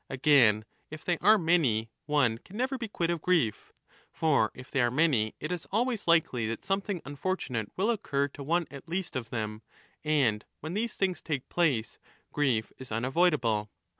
Again, if they are many, one can never be quit of grief. For if they are many, it is always likely that something unfortunate will occur to one 15 at least of them, and when these things take place grief is unavoidable.